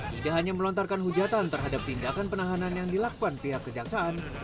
tidak hanya melontarkan hujatan terhadap tindakan penahanan yang dilakukan pihak kejaksaan